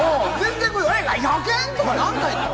野犬！とかなんないでしょ。